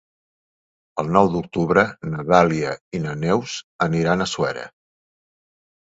El nou d'octubre na Dàlia i na Neus aniran a Suera.